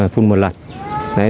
phun một lần